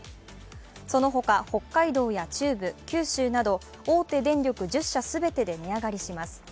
そのほか、北海道や中部、九州など大手電力１０社全てで値上がりします。